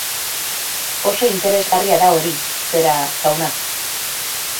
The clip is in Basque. Oso interesgarria da hori... zera... jauna.